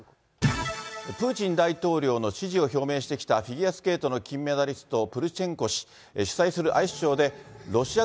プーチン大統領の支持を表明してきたフィギュアスケートの金メダこんにちは。